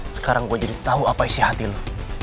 sekarang gue jadi tahu apa isi hati lo